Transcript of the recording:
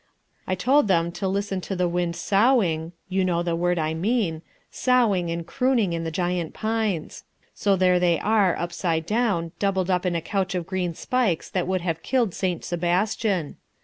I think I told them to listen to the wind sowing (you know the word I mean), sowing and crooning in the giant pines. So there they are upside down, doubled up on a couch of green spikes that would have killed St. Sebastian.